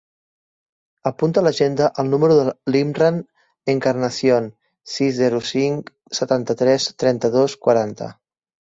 Apunta a l'agenda el número de l'Imran Encarnacion: sis, zero, cinc, setanta-tres, trenta-dos, quaranta.